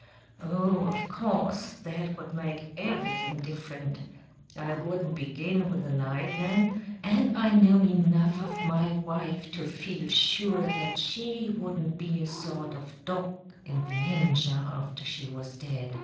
"Oh, of course, that would make everything different. I wouldn't begin with a lie then, and I know enough of my wife to feel sure that she wouldn't be a sort of dog in the manger after she was dead.